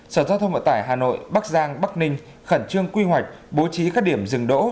sở giao thông vận tải hà nội bắc giang bắc ninh khẩn trương quy hoạch bố trí các điểm dừng đỗ